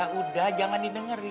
ya udah jangan didengerin